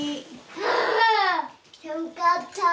ああ寒かった。